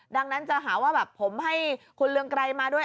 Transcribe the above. ดังนั้นจะหาว่าแบบผมให้คุณเรืองไกรมาด้วย